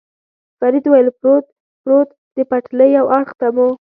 فرید وویل: پروت، پروت، د پټلۍ یو اړخ ته مو.